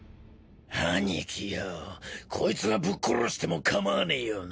兄貴よぉこいつはぶっ殺しても構わねえよな。